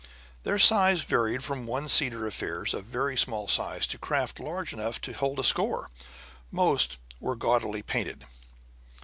Their size varied from one seater affairs of very small size to craft large enough to hold a score. Most were gaudily painted.